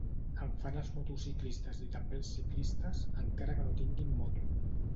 En fan els motociclistes i també els ciclistes, encara que no tinguin moto.